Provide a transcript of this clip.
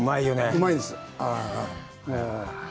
うまいです。